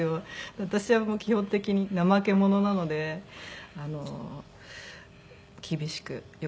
私は基本的に怠け者なので厳しくよく注意されます。